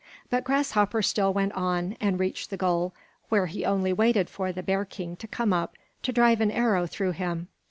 But Grasshopper still went on and reached the goal where he only waited for the bear king to come up to drive an arrow through him.